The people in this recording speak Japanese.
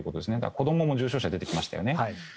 子どもも重症者が出てきましたよね。